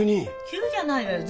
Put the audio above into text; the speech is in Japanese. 急じゃないわよ。